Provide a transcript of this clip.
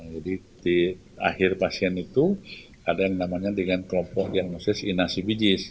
jadi di akhir pasien itu ada yang namanya dengan kelompok diagnosis inasibijis